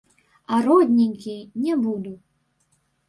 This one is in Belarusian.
А родненькі, не буду!